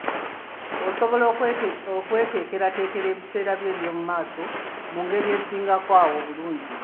Osobola okweteekerateekera ebiseera byo eby’omu maaso mu ngeri esingako awo obulungi.